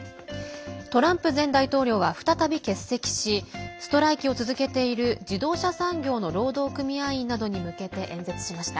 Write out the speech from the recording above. トランプ前大統領は再び欠席しストライキを続けている自動車産業の労働組合員などに向けて演説しました。